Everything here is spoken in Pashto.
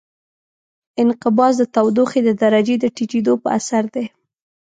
انقباض د تودوخې د درجې د ټیټېدو په اثر دی.